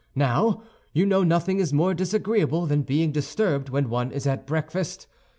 Now, you know nothing is more disagreeable than being disturbed when one is at breakfast.